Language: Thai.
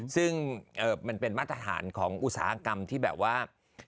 ซึ่งมันเป็นมาตรฐานของอุตสาหกรรมที่แบบว่า